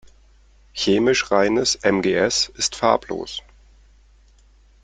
Chemisch reines MgS ist farblos.